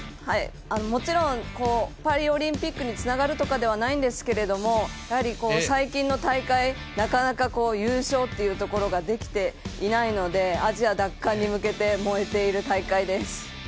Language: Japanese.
もちろんパリオリンピックにつながるとかではないんですけどもやはり最近の大会なかなか優勝っていうところができていないのでアジア奪還に向けて燃えている大会です。